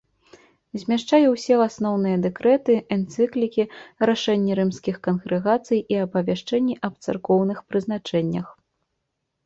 Змяшчае ўсе асноўныя дэкрэты, энцыклікі, рашэнні рымскіх кангрэгацый і апавяшчэнні аб царкоўных прызначэннях.